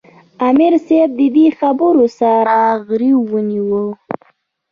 " امیر صېب د دې خبرو سره غرېو ونیوۀ ـ